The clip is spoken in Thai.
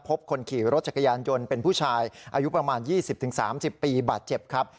คนขี่รถจักรยานยนต์เป็นผู้ชายอายุประมาณ๒๐๓๐ปีบาดเจ็บครับ